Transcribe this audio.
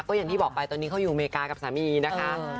ก็อย่างที่บอกไปตอนนี้เขาอยู่อเมริกากับสามีนะคะ